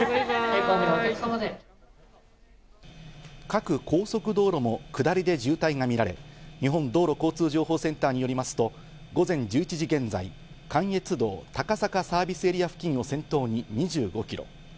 各高速道路も下りで渋滞が見られ、日本道路交通情報センターによりますと午前１１時現在、関越道・高坂サービスエリア付近を先頭に２５キロ。